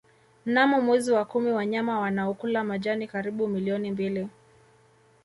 Mnamo mwezi wa kumi wanyama wanaokula majani karibu milioni mbili